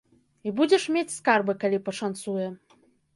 І будзеш мець скарбы, калі пашанцуе.